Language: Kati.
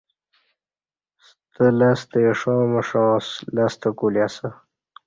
ستہ لستہ ایݜاں مشاں لستہ کولی اسہ۔